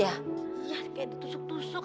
iya kayak ditusuk tusuk